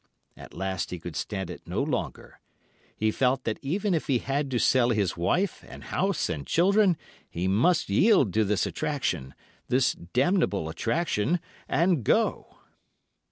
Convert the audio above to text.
At last he could stand it no longer. He felt that even if he had to sell his wife, and house, and children, he must yield to this attraction—this damnable attraction—and go!